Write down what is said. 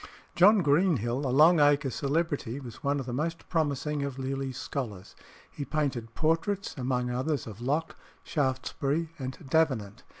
John Greenhill, a Long Acre celebrity, was one of the most promising of Lely's scholars. He painted portraits, among others, of Locke, Shaftesbury, and Davenant.